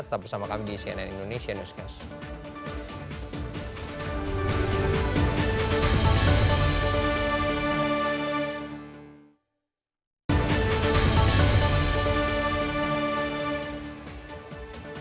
tetap bersama kami di cnn indonesia newscast